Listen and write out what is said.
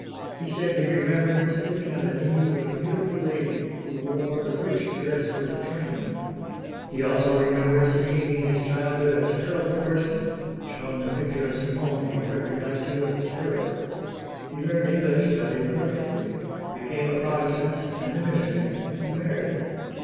He said he remembered sitting on the knees of a beautiful lady who wore a rich dress with a train. He also remembered seeing in his childhood a terrible person; shewn the picture of Simon he recognised him with terror. He learned English but imperfectly, became a Protestant and a missionary and married.